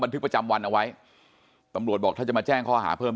ทึกประจำวันเอาไว้ตำรวจบอกถ้าจะมาแจ้งข้อหาเพิ่ม